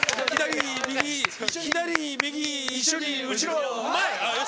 左右一緒に後ろ前。